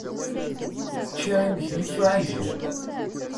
Ččiɣ imekli s uɛijel.